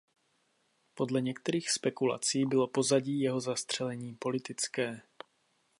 Podle některých spekulací bylo pozadí jeho zastřelení politické.